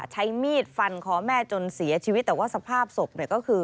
ใช้มีดฟันคอแม่จนเสียชีวิตแต่ว่าสภาพศพเนี่ยก็คือ